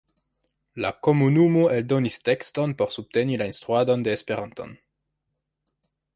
La komunumo eldonis tekston por subteni la instruadon de Esperanton.